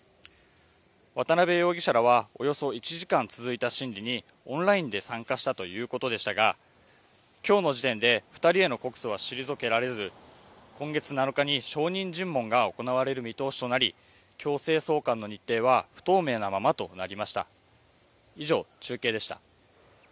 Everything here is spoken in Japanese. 渡辺容疑者らは、およそ１時間続いた審理にオンラインで参加したということでしたが今日の時点で２人への告訴は退けられず、今月７日に証人尋問が行われる見通しとなり、強制送還の日程は不透明なままとなってきました。